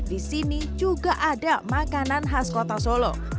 disini juga ada makanan khas kota solo